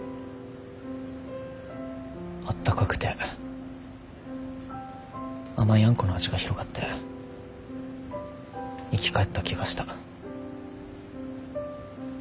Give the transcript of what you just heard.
あったかくて甘いあんこの味が広がって生き返った気がした。